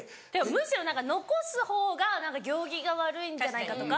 むしろ何か残す方が何か行儀が悪いんじゃないかとか。